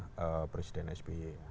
untuk memeriksa presiden sby